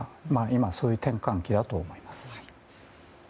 今、そういう転換期だと思います。